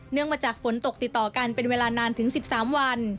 มาจากฝนตกติดต่อกันเป็นเวลานานถึง๑๓วัน